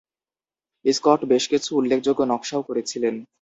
Scott বেশ কিছু উল্লেখযোগ্য নকশাও করেছিলেন।